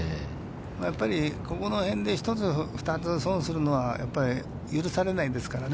やっぱりここの辺で１つ２つ損するのはやっぱり許されないですからね。